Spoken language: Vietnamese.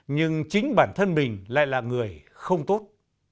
nhưng chính bản thân mình lại là người không tốt